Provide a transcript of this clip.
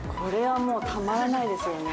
たまらないですね。